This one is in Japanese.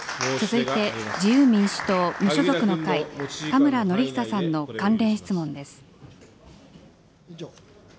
続いて自由民主党・無所属の会、田村憲久さんの関連質問です。